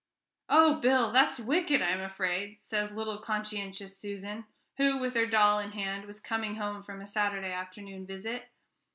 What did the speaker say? "Oh, Bill, that's wicked, I'm afraid," says little conscientious Susan, who, with her doll in hand, was coming home from a Saturday afternoon visit.